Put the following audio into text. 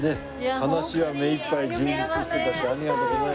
話は目いっぱい充実してたしありがとうございました。